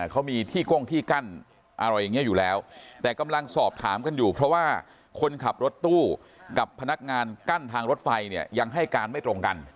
เขามีที่ก้งที่กั้นอะไรอย่างนี้อยู่แล้วแต่กำลังสอบถามกันอยู่เพราะว่าคนขับรถตู้กับพนักงานกั้นทางรถไฟเนี่ยยังให้การไม่ตรงกัน